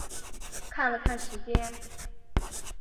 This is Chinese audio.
看了看时间